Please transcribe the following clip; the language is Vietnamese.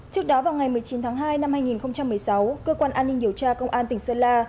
trước đó vào ngày một mươi chín tháng hai năm hai nghìn một mươi sáu cơ quan an ninh điều tra công an tỉnh sơn la